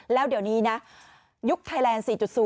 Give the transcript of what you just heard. แล้วเดี๋ยวนี้นะยุคไทยแลนด์๔๐